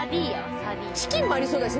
チキンもありそうだしね。